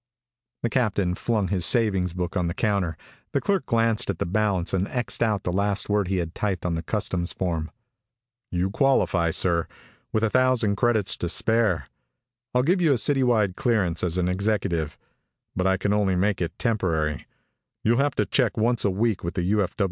The captain flung his savings book on the counter. The clerk glanced at the balance and X'ed out the last word he had typed on the customs form. "You qualify, sir with a thousand credits to spare. I'll give you a city wide clearance as an executive. But I can only make it temporary. You'll have to check once each week with the U.